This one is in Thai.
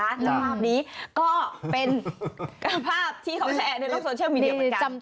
แล้วภาพนี้ก็เป็นภาพที่เขาแชร์ในโลกโซเชียลมีเดีย